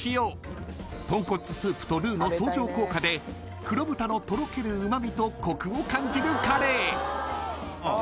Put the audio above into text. ［とんこつスープとルーの相乗効果で黒豚のとろけるうま味とコクを感じるカレー］あ。